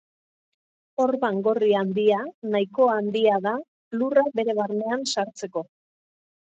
Orban Gorri Handia nahikoa handia da Lurra bere barnean sartzeko.